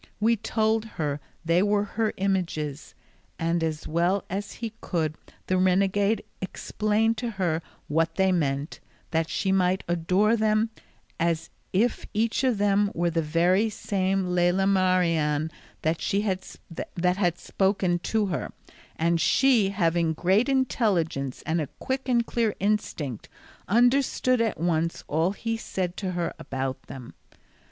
We told her they were her images; and as well as he could the renegade explained to her what they meant, that she might adore them as if each of them were the very same Lela Marien that had spoken to her; and she, having great intelligence and a quick and clear instinct, understood at once all he said to her about them.